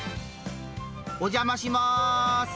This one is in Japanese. お邪魔します。